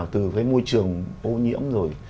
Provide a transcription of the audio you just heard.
từ cái môi trường ô nhiễm rồi